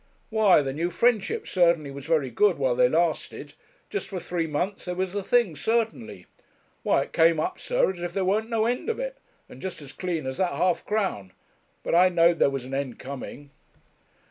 'Why, the New Friendships certainly was very good while they lasted; just for three months they was the thing certainly. Why, it came up, sir, as if there weren't no end of it, and just as clean as that half crown but I know'd there was an end coming.'